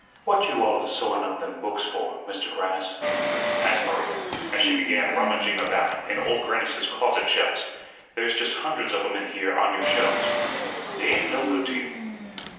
"What you alus sewing up them books for, Mister Grannis?" asked Maria, as she began rummaging about in Old Grannis's closet shelves. "There's just hundreds of 'em in here on yer shelves; they ain't no good to you."